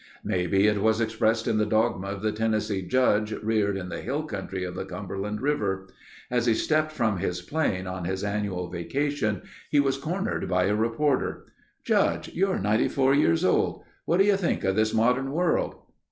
Maybe it was expressed in the dogma of the Tennessee judge reared in the hill country of the Cumberland river. As he stepped from his plane on his annual vacation he was cornered by a reporter: "Judge, you're 94 years old. What do you think of this modern world?"